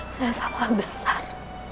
saya salah besar